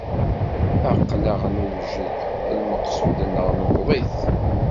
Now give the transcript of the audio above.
Aql-aɣ newǧed, lmeqsud-nneɣ newweḍ-it!